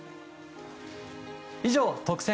以上、特選！！